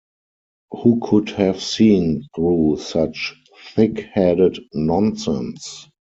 Who could have seen through such thick-headed nonsense?.